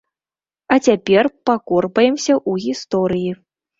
А цяпер пакорпаемся ў гісторыі.